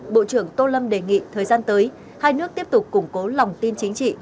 bộ trưởng tô lâm đề nghị thời gian tới hai nước tiếp tục củng cố lòng tin chính trị